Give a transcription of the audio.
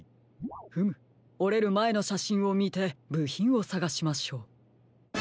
フムおれるまえのしゃしんをみてぶひんをさがしましょう。